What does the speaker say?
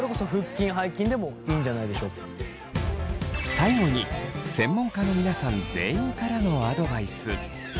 最後に専門家の皆さん全員からのアドバイス。